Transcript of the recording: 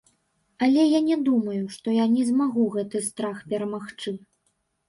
Але я не думаю, што я не змагу гэты страх перамагчы.